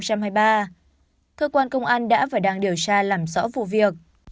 cơ quan công an đã và đang điều tra làm rõ vụ việc